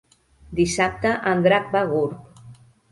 Dissabte en Drac va a Gurb.